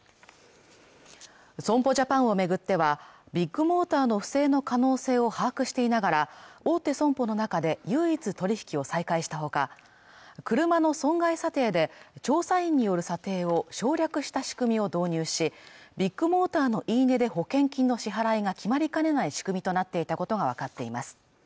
損保ジャパンを巡ってはビッグモーターの不正の可能性を把握していながら大手損保の中で唯一取引を再開したほか車の損害査定で調査員による査定を省略した仕組みを導入しビッグモーターの言い値で保険金の支払いが決まりかねない仕組みとなっていたことが分かっています